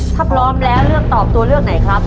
ถ้าพร้อมแล้วเลือกตอบตัวเลือกไหนครับ